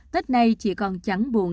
tết nay chị còn chẳng buồn